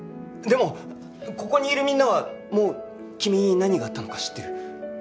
でもここにいるみんなはもう君に何があったのか知ってる。